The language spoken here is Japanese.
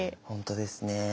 本当ですね。